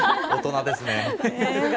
大人ですね。